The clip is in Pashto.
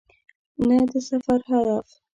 نه د سفر هدف .